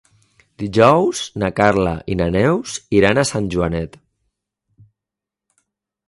Dijous na Carla i na Neus iran a Sant Joanet.